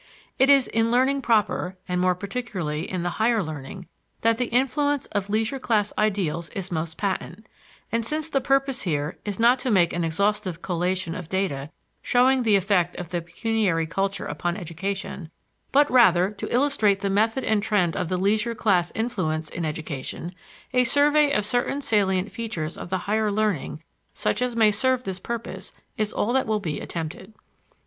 It is in learning proper, and more particularly in the higher learning, that the influence of leisure class ideals is most patent; and since the purpose here is not to make an exhaustive collation of data showing the effect of the pecuniary culture upon education, but rather to illustrate the method and trend of the leisure class influence in education, a survey of certain salient features of the higher learning, such as may serve this purpose, is all that will be attempted.